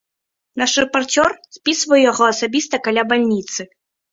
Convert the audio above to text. Наш рэпарцёр спісваў яго асабіста каля бальніцы.